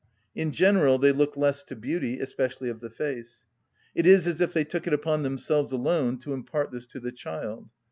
In general they look less to beauty, especially of the face. It is as if they took it upon themselves alone to impart this to the child.